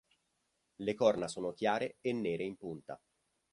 Le corna sono chiare e nere in punta.